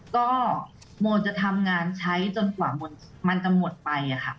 ก็โมจะทำงานใช้จนกว่ามันจะหมดไปค่ะ